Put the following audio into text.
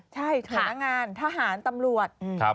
ใช่หัวหน้างานทหารตำรวจ